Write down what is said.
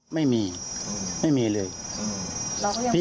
ตอนนั้นพูดข่อเพื่อนมาให้พี่